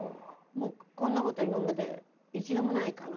もうこんなこと今まで一度もないかな。